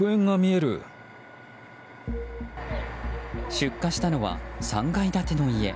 出火したのは３階建ての家。